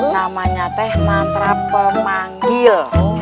namanya teh mantra pemanggil